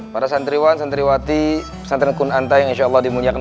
para santriwan santriwati santri kunanta yang insyaallah dimulyakan